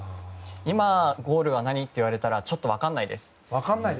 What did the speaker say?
今、ゴールは何？って言われたらちょっと分かんないです。